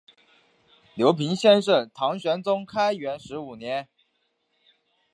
刘怦生于唐玄宗开元十五年。